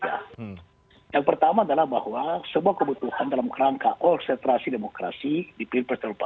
yang pertama adalah bahwa sebuah kebutuhan dalam rangka oksentrasi demokrasi di pilpres terlupa